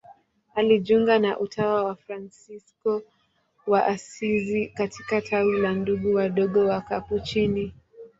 Alijiunga na utawa wa Fransisko wa Asizi katika tawi la Ndugu Wadogo Wakapuchini.